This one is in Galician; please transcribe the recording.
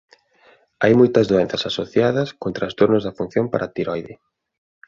Hai moitas doenzas asociadas con trastornos da función paratiroide.